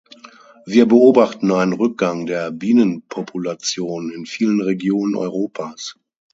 Wir beobachten einen Rückgang der Bienenpopulation in vielen Regionen Europas.